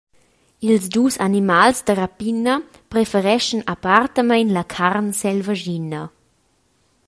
Ils dus animals da rapina prefereschan apparentamein la carn selvaschina.